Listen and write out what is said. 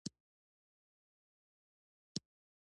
نباتات د خپلې ودې لپاره غذا ته اړتیا لري.